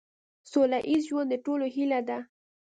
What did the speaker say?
سوله ایز ژوند د ټولو هیله ده.